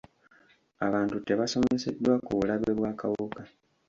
Abantu tebasomeseddwa ku bulabe bw'akawuka.